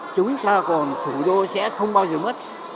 chúng ta còn thủ đô sẽ không bao giờ mất